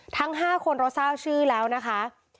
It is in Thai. ทั้ง๕คนเราทราบชื่อแล้วนะคะ